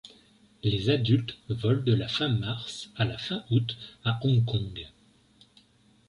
Les adultes volent de la fin mars à la fin août à Hong Kong.